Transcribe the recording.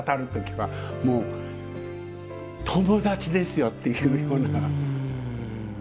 もう友達ですよっていうのが。